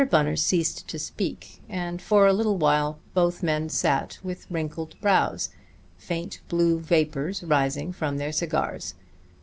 Bunner ceased to speak, and for a little while both men sat with wrinkled brows, faint blue vapors rising from their cigars.